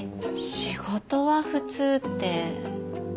仕事は普通って。